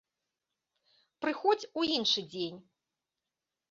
Прыходзь у іншы дзень!